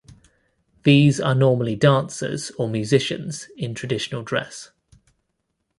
These are normally dancers or musicians in traditional dress.